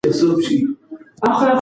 که فرش وي نو پښې نه ښویېږي.